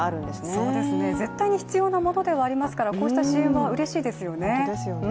そうですね、絶対に必要なものではありますからこうした支援はうれしいですよね。